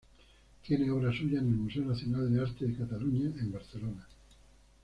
Tiene obra suya en el Museo Nacional de Arte de Cataluña en Barcelona.